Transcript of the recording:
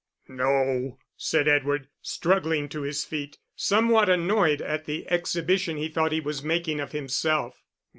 "No," said Edward, struggling to his feet, somewhat annoyed at the exhibition he thought he was making of himself.